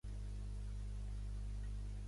Paul Lewison de Nova York.